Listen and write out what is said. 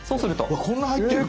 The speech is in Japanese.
うわこんな入ってる！